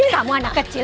kamu anak kecil